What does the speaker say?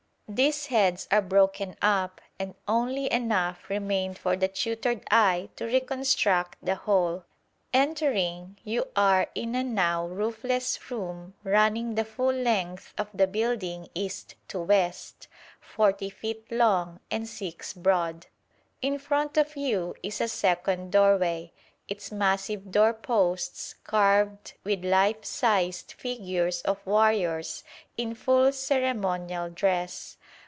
These heads are broken up, and only enough remained for the tutored eye to reconstruct the whole. Entering, you are in a now roofless room running the full length of the building east to west, 40 feet long and 6 broad. In front of you is a second doorway, its massive door posts carved with life sized figures of warriors in full ceremonial dress.